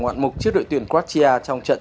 ngoạn mục trước đội tuyển croatia trong trận